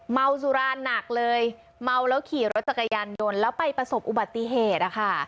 เมาสุราหนักเลยเมาแล้วขี่รถจักรยานยนต์แล้วไปประสบอุบัติเหตุนะคะ